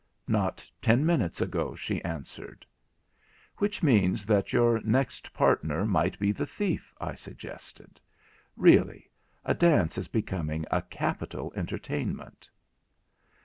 'Not ten minutes ago,' she answered. 'Which means that your next partner might be the thief?' I suggested. 'Really, a dance is becoming a capital entertainment.'